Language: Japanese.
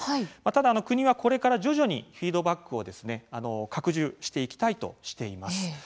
ただ国はこれから徐々にフィードバックを拡充していきたいとしています。